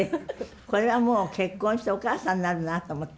これはもう結婚してお母さんになるなと思って。